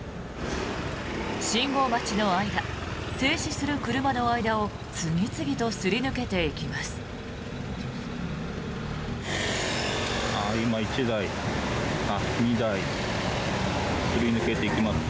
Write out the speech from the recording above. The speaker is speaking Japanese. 信号待ちの間停止する車の間を次々とすり抜けていきます。